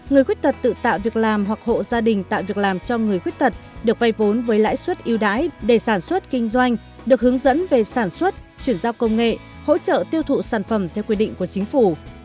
bốn người khuyết tật tự tạo việc làm hoặc hộ gia đình tạo việc làm cho người khuyết tật được vây vốn với lãi suất yêu đái để sản xuất kinh doanh được hướng dẫn về sản xuất chuyển giao công nghệ hỗ trợ tiêu thụ sản phẩm theo quy định của chính phủ